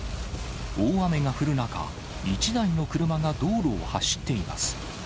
大雨が降る中、１台の車が道路を走っています。